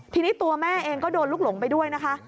ทีนี้ตัวแม่เองก็โดนลูกหลงไปด้วยนะคะ